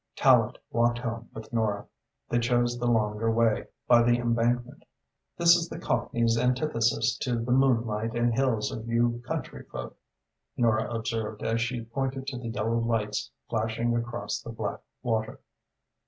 Tallente walked home with Nora. They chose the longer way, by the Embankment. "This is the Cockney's antithesis to the moonlight and hills of you country folk," Nora observed, as she pointed to the yellow lights gashing across the black water.